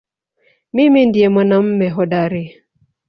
Mimi ndiye mwanamume hodari